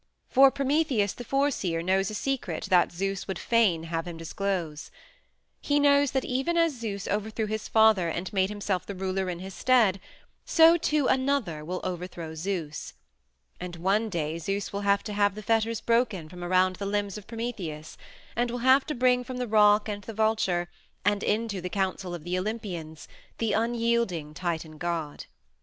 For Prometheus the Foreseer knows a secret that Zeus would fain have him disclose. He knows that even as Zeus overthrew his father and made himself the ruler in his stead, so, too, another will overthrow Zeus. And one day Zeus will have to have the fetters broken from around the limbs of Prometheus, and will have to bring from the rock and the vulture, and into the Council of the Olympians, the unyielding Titan god.